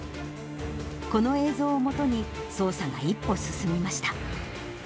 この映像をもとに、捜査が一歩進みました。